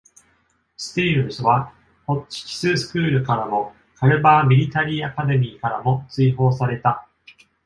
Steers はホッチキススクールからもカルバーミリタリーアカデミーからも追放された。